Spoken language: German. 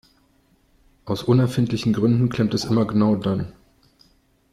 Aus unerfindlichen Gründen klemmt es immer genau dann.